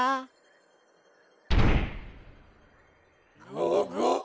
ゴゴ！